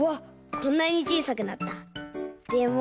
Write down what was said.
こんなにちいさくなった。